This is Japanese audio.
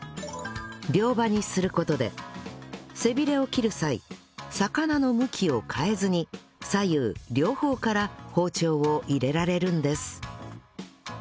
両刃にする事で背びれを切る際魚の向きを変えずに左右両方から包丁を入れられるんです